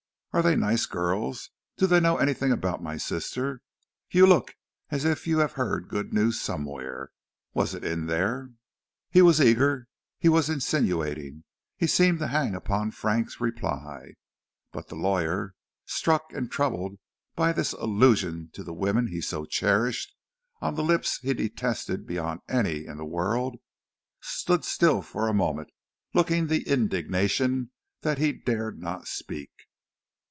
Are they nice girls? Do they know anything about my sister? You look as if you had heard good news somewhere. Was it in there?" He was eager; he was insinuating; he seemed to hang upon Frank's reply. But the lawyer, struck and troubled by this allusion to the women he so cherished, on lips he detested beyond any in the world, stood still for a moment, looking the indignation he dared not speak.